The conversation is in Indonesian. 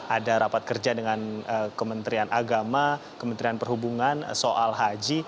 ada rapat kerja dengan kementerian agama kementerian perhubungan soal haji